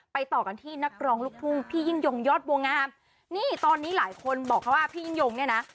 ต่อกันที่นักร้องลูกทุ่งพี่ยิ่งยงยอดบัวงามนี่ตอนนี้หลายคนบอกเขาว่าพี่ยิ่งยงเนี่ยนะ